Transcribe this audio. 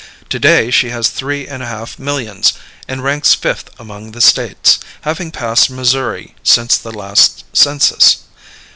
To day she has three and a half millions, and ranks fifth among the States, having passed Missouri since the last census.